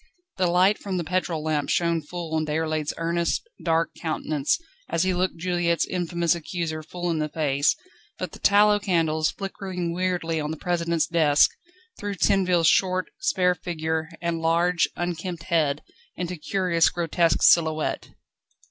The light from the petrol lamp shone full on Déroulède's earnest, dark countenance as he looked Juliette's infamous accuser full in the face, but the tallow candles, flickering weirdly on the President's desk, threw Tinville's short, spare figure and large, unkempt head into curious grotesque silhouette.